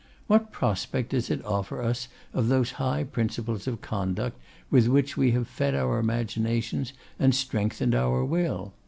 What prospect does it offer us of those high principles of conduct with which we have fed our imaginations and strengthened our will?